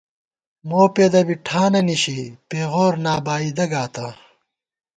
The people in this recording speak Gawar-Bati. موپېدہ بی ٹھانہ نِشی ، پېغور نابائیدہ گاتہ